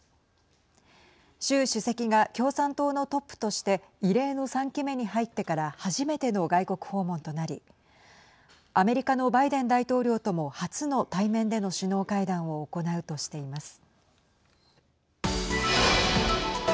習主席が共産党のトップとして異例の３期目に入ってから初めての外国訪問となりアメリカのバイデン大統領とも初の対面での首脳会談を行うとしています。